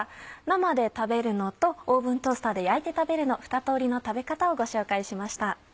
生で食べるのとオーブントースターで焼いて食べるの２通りの食べ方をご紹介しました。